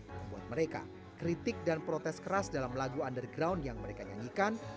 membuat mereka kritik dan protes keras dalam lagu underground yang mereka nyanyikan